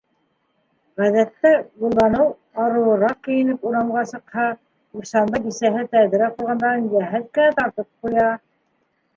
Ғәҙәттә Гөлбаныу арыуыраҡ кейенеп урамға сыҡһа, Ихсанбай бисәһе тәҙрә ҡорғандарын йәһәт кенә тартып ҡуя.